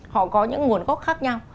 họ có những nguồn gốc khác nhau